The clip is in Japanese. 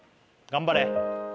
頑張れ